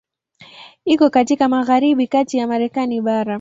Iko katika magharibi kati ya Marekani bara.